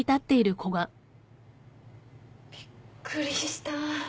びっくりした。